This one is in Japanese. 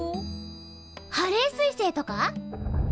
ハレー彗星とか！